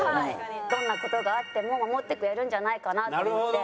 どんな事があっても守ってくれるんじゃないかなと思って。